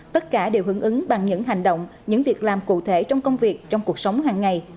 tất cả đều hướng ứng bằng những hành động những việc làm cụ thể trong công việc trong cuộc sống hàng ngày